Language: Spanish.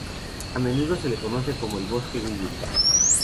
A menudo se le conoce como el "Bosque Google".